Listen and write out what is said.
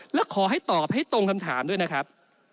แล้วขอให้ตอบให้ตรงคำถามด้วยนะครับ